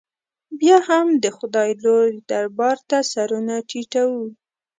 بیا هم د خدای لوی دربار ته سرونه ټیټو.